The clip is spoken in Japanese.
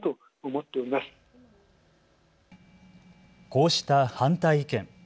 こうした反対意見。